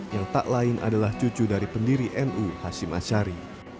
yang tak lain adalah cucu dari pendiri nu hashim ashari